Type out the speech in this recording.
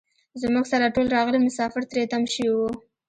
زموږ سره ټول راغلي مسافر تري تم شوي وو.